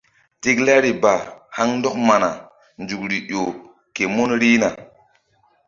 Tiklari ba haŋ ndɔk mana nzukri ƴo ke mun rihna.